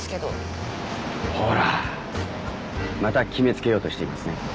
ほらまた決めつけようとしていますね。